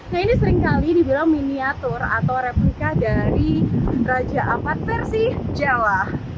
nah ini seringkali dibilang miniatur atau replika dari raja ampat versi jawa